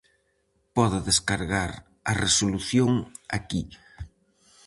Pode descargar a resolución aquí.